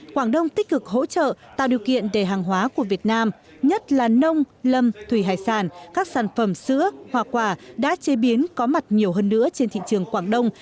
quảng đông tích cực hỗ trợ tạo điều kiện để hàng hóa của việt nam nhất là nông lâm thủy hải sản các sản phẩm sữa hoa quả đã chế biến có mặt nhiều hơn nữa trên thị trường quảng đông